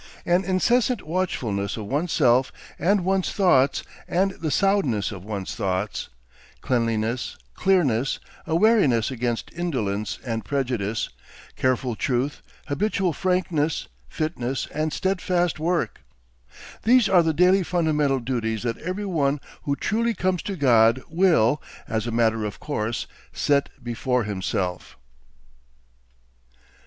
An incessant watchfulness of one's self and one's thoughts and the soundness of one's thoughts; cleanliness, clearness, a wariness against indolence and prejudice, careful truth, habitual frankness, fitness and steadfast work; these are the daily fundamental duties that every one who truly comes to God will, as a matter of course, set before himself.